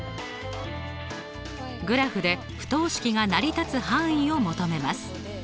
グラフで不等式が成り立つ範囲を求めます。